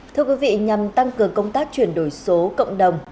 thưa quý vị nhằm tăng cường công tác chuyển đổi số cộng đồng